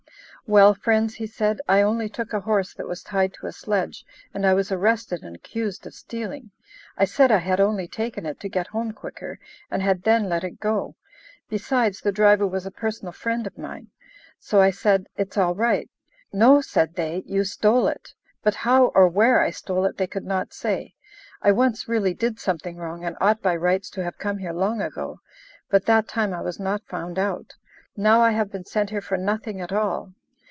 "Well, friends," he said, "I only took a horse that was tied to a sledge, and I was arrested and accused of stealing. I said I had only taken it to get home quicker, and had then let it go; besides, the driver was a personal friend of mine. So I said, 'It's all right.' 'No,' said they, 'you stole it.' But how or where I stole it they could not say. I once really did something wrong, and ought by rights to have come here long ago, but that time I was not found out. Now I have been sent here for nothing at all...